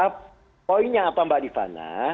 poinnya apa mbak adivana